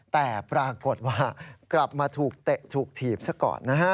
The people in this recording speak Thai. แต่ปรากฏว่ากลับมาถูกเตะถูกถีบซะก่อนนะฮะ